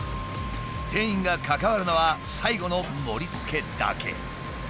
店員が関わるのは最後の盛りつけだけ。